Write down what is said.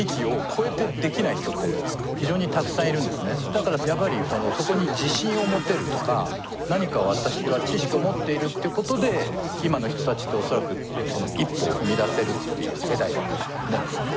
だからやっぱりそこに自信を持てるとか何か私は知識を持っているっていう事で今の人たちって恐らく一歩を踏み出せるっていう世代だと思うんですね。